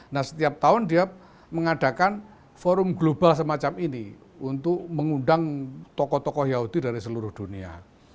nah setiap tahun dia mengadakan forum global semacam ini untuk mengundang tokoh tokoh yahudi dari seluruh dunia